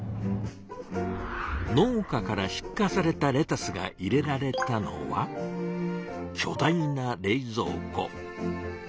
農家から出荷されたレタスが入れられたのはきょ大な冷蔵庫。